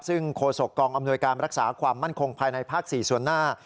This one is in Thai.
ซึ่งโฆษกองอำนวยการรักษาความมั่นคงภายในภาค๔ส่วนหน้า